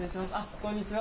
こんにちは。